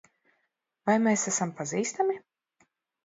Vai mēs esam pazīstami?